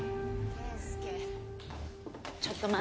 圭介。